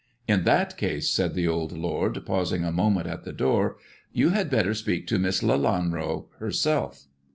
In that case," said the old lord, pausing a moment at the door, " you had better speak to Miss Lelanro herself."